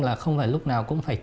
là không phải lúc nào cũng phải